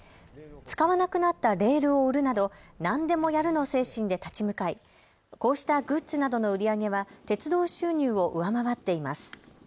使わなくなったレールを売るなどなんでもやるの精神で立ち向かい、こうしたグッズなどの売り上げは鉄道収入を上回っています。